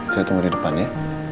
saya tunggu di depan ya